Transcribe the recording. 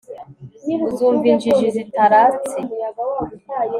Uzumva injinshi zitaratse